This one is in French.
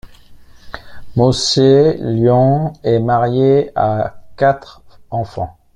Moshe Lion est marié et a quatre enfants.